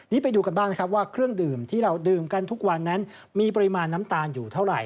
นี่ไปดูกันบ้างนะครับว่าเครื่องดื่มที่เราดื่มกันทุกวันนั้นมีปริมาณน้ำตาลอยู่เท่าไหร่